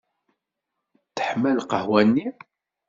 Teḥma lqahwa-nni?